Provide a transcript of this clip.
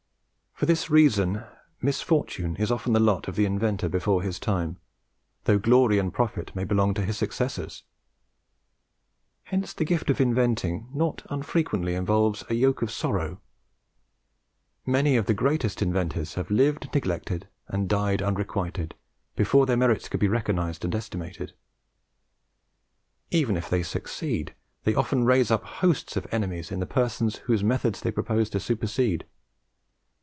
For this reason, misfortune is often the lot of the inventor before his time, though glory and profit may belong to his successors. Hence the gift of inventing not unfrequently involves a yoke of sorrow. Many of the greatest inventors have lived neglected and died unrequited, before their merits could be recognised and estimated. Even if they succeed, they often raise up hosts of enemies in the persons whose methods they propose to supersede.